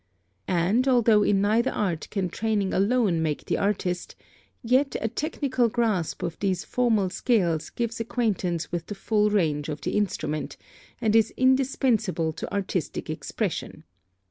And, although in neither art can training alone make the artist, yet a technical grasp of these formal scales gives acquaintance with the full range of the instrument, and is indispensable to artistic expression.